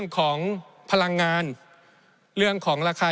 ในช่วงที่สุดในรอบ๑๖ปี